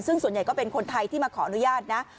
ซึ่งส่วนใหญ่ก็เป็นคนไทยที่มาขออนุญาตนะ